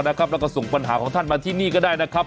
แล้วก็ส่งปัญหาของท่านมาที่นี่ก็ได้นะครับ